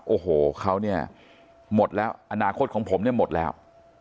โอ้โหเขาเนี่ยหมดแล้วอนาคตของผมเนี่ยหมดแล้ว